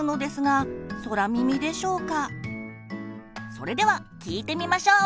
それでは聞いてみましょう！